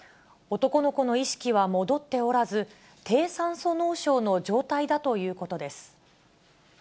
男の子の意識は戻っておらず、低酸素脳症の状態だということです。